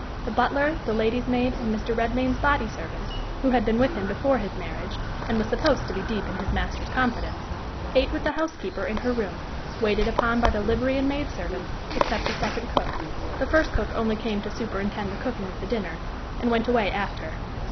The butler, the lady's maid, and Mr. Redmain's body servant, who had been with him before his marriage, and was supposed to be deep in his master's confidence, ate with the housekeeper in her room, waited upon by the livery and maid servants, except the second cook: the first cook only came to superintend the cooking of the dinner, and went away after.